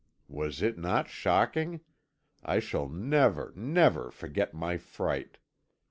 Was it not shocking? I shall never, never forget my fright.